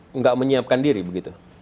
tidak menyiapkan diri begitu